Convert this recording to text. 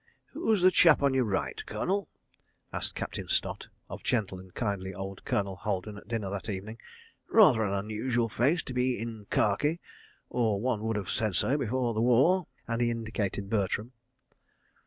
... "Who's the chap on your right, Colonel?" asked Captain Stott, of gentle and kindly old Colonel Haldon at dinner that evening. "Rather an unusual face to be 'in' khaki—or one would have said so before the war," and he indicated Bertram.